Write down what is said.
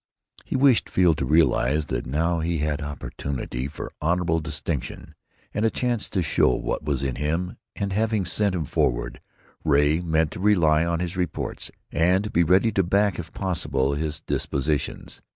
He wished Field to realize that now he had opportunity for honorable distinction, and a chance to show what was in him and, having sent him forward, Ray meant to rely on his reports and be ready to back, if possible, his dispositions.